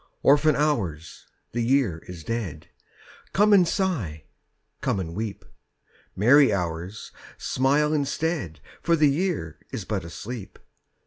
Orphan Hours, the Year is dead, Come and sigh, come and weep! Merry Hours, smile instead, For the Year is but asleep.